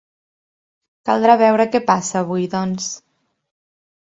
Caldrà veure què passa avui, doncs.